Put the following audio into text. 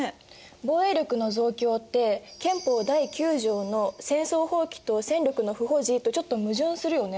防衛力の増強って憲法第９条の「戦争放棄と戦力の不保持」とちょっと矛盾するよね？